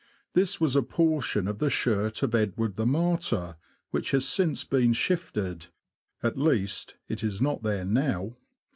This was a portion of the shirt of Edward the Martyr, which has since been shifted — at least, it is not there now.